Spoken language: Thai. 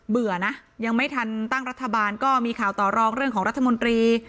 ื่อนะยังไม่ทันตั้งรัฐบาลก็มีข่าวต่อรองเรื่องของรัฐมนตรี